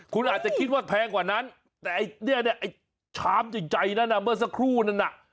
คุณอาจจะคิดว่าแพงกว่านั้นแต่ไอ้เนี่ยไอ้ชามใหญ่นั้นเมื่อสักครู่นั้นน่ะ